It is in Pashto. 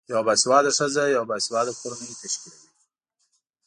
یوه باسیواده خځه یوه باسیواده کورنۍ تشکلوی